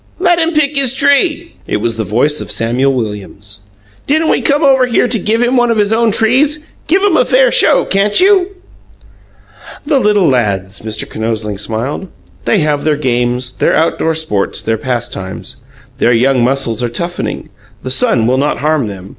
"Let him pick his tree!" It was the voice of Samuel Williams. "Didn't we come over here to give him one of his own trees? Give him a fair show, can't you?" "The little lads!" Mr. Kinosling smiled. "They have their games, their outdoor sports, their pastimes. The young muscles are toughening. The sun will not harm them.